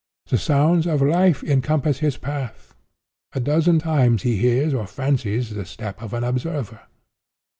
The sounds of life encompass his path. A dozen times he hears or fancies the step of an observer.